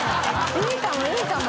いいかもいいかも！